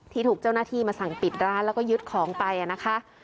ถูกเจ้าหน้าที่มาสั่งปิดร้านแล้วก็ยึดของไปนะคะ